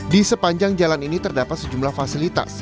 di sepanjang jalan ini terdapat sejumlah fasilitas